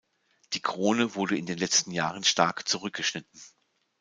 Die Krone wurde in den letzten Jahren stark zurückgeschnitten.